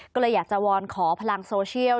ก็เลยอยากจะวอนขอพลังโซเชียล